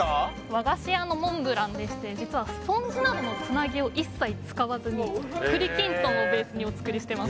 ・和菓子屋のモンブランでして実はスポンジなどのつなぎを一切使わずに栗きんとんをベースにお作りしてます